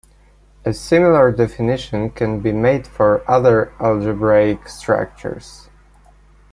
A similar definition can be made for other algebraic structures.